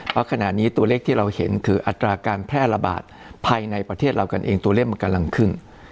เพราะขณะนี้ตัวเลขที่เราเห็นคืออัตราการแพร่ระบาดภายในประเทศเรากันเองตัวเลขมันกำลังขึ้น